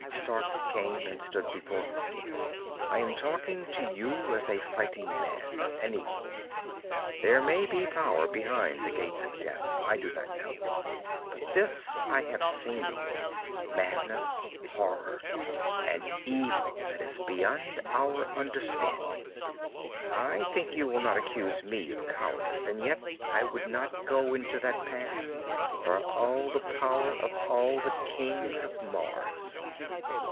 Stark came and stood before her. "I am talking to you as a fighting man, an equal. There may be power behind the Gates of Death, I do not know. But this I have seen madness, horror, an evil that is beyond our understanding. "I think you will not accuse me of cowardice. And yet I would not go into that pass for all the power of all the kings of Mars!"